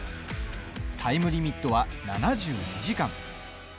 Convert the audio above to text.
タイムリミットは７２時間。